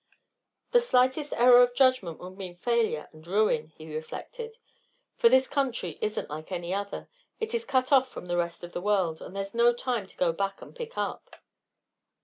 "The slightest error of judgment would mean failure and ruin," he reflected, "for this country isn't like any other. It is cut off from the rest of the world, and there's no time to go back and pick up."